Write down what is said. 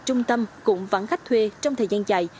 trung tâm cũng vẫn khách thuê trong thời gian dài